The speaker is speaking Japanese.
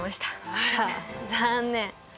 あら残念。